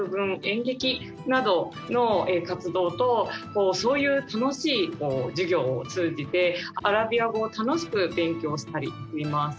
演劇などの活動とそういう楽しい授業を通じてアラビア語を楽しく勉強したりしています。